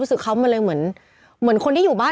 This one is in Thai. ทำงานครบ๒๐ปีได้เงินชดเฉยเลิกจ้างไม่น้อยกว่า๔๐๐วัน